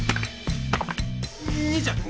兄ちゃん。